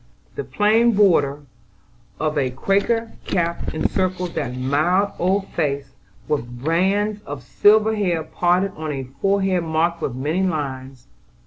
The plain border of a Quaker cap encircled that mild old face, with bands of silver hair parted on a forehead marked with many lines.